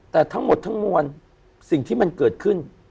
แต่ทั้งหมดทั้งมวลสิ่งที่มันเกิดขึ้น